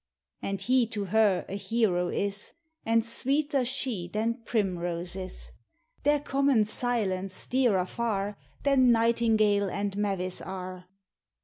And he to her a hero is And sweeter she than primroses; Their common silence dearer far Than nightingale aud mavis are. it 210 POEMS OF HOME.